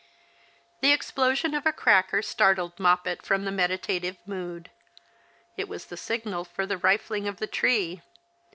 The explosion of a cracker startled Moppet from the meditative mood. It was the signal for the rifling of the tree.